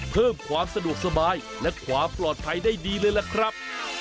เพิ่มความสะดวกสบายและความปลอดภัยได้ดีเลยล่ะครับ